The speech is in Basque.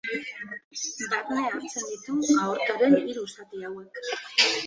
Barne hartzen ditu aortaren hiru zati hauek.